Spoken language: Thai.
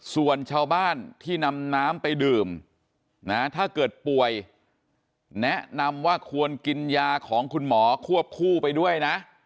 ส่วนชาวบ้านที่นำน้ำไปดื่มนะถ้าเกิดป่วยแนะนำว่าควรกินยาของคุณหมอควบคู่ไปด้วยนะ